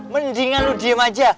mendingan lo diem aja